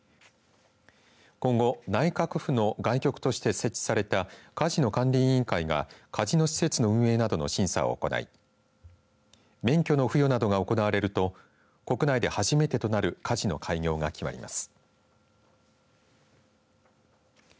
今後、内閣府の外局として設置されたカジノ管理委員会がカジノ施設の運営などの審査を行い免許の付与などが行われると国内で初めてとなるカジノの開業が決まります。